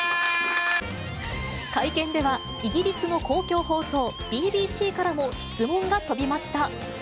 会見では、イギリスの公共放送ＢＢＣからも質問が飛びました。